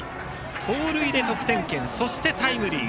盗塁で得点圏、そしてタイムリー。